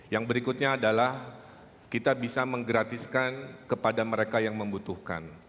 yang berikutnya adalah kita bisa menggratiskan kepada mereka yang membutuhkan